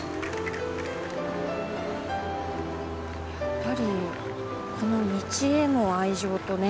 やっぱりこの道への愛情とね。